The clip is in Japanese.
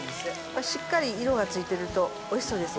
しっかり色がついてるとおいしそうですよね。